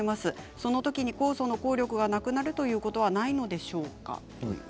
そのときに酵素の効力がなくなるということはないのでしょうか。